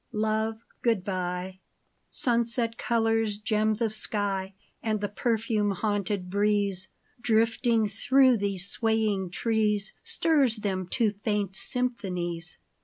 OVE, good bye ! Sunset colors gem the sky : And the perfume haunted breeze. Drifting through these swaying trees, Stirs them to faint symphonies.